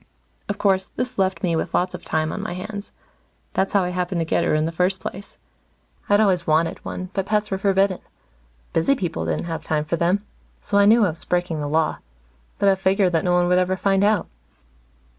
Of course, this left me with lots of time on my hands. That's how I happened to get her in the first place. I'd always wanted one, but pets were forbidden. Busy people didn't have time for them. So I knew I was breaking the Law. But I figured that no one would ever find out.